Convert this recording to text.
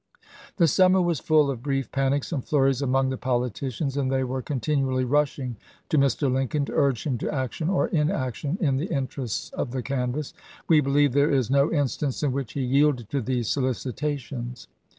The summer was full of brief panics and flurries among the politicians, and they were continually rushing to Mr. Lincoln to urge him to action or inaction in the interests of the canvass. We believe there is no instance in which he yielded to these so licitations.